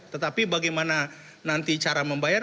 tetapi bagaimana nanti cara membayar